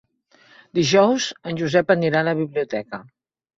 Dijous en Josep anirà a la biblioteca.